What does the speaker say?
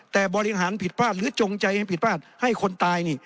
แต่บริหารผิดพลาดหรือจงใจให้ผิดพลาดให้คนตายนี่